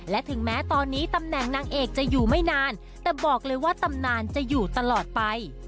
และถึงแม้ตอนนี้ตำแหน่งนางเอกจะอยู่ไม่นานแต่บอกเลยว่าตำนานจะอยู่ตลอดไป